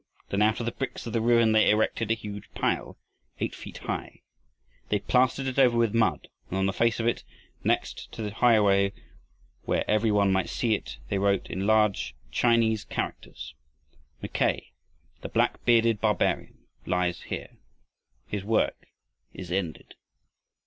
Then, out of the bricks of the ruin they erected a huge pile, eight feet high; they plastered it over with mud, and on the face of it, next the highway where every one might see it, they wrote in large Chinese characters: MACKAY, THE BLACK BEARDED BARBARIAN, LIES HERE. HIS WORK IS ENDED.